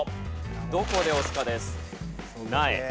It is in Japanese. どこで押すかです。